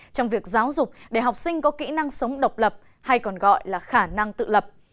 trong việc giáo dục để học sinh có kỹ năng sống độc lập hay còn gọi là khả năng tự lập